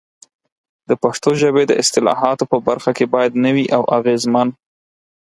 د پښتو ژبې د اصطلاحاتو په برخه کې باید نوي او اغېزمن